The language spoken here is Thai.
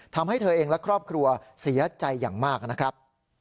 ทำให้เธอเองและครอบครัวเสียใจอย่างมากนะครับ